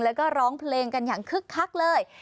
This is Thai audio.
แล้วก็ร้องเพลงกันอย่างคึกคักเลย